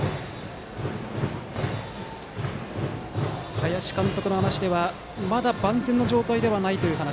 林監督の話ではまだ万全の状態ではないという話。